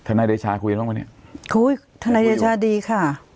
ธนไลย์เดชาคุยกันบ้างไหมเนี่ยคุยธนไลย์เดชาดีค่ะ